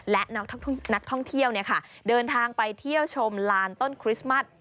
และนักท่องเที่ยวเดินทางไปเที่ยวชมลานต้นคริสต์มัส